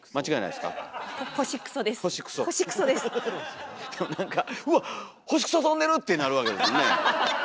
でも何か「うわっ星クソ飛んでる！」ってなるわけですもんね。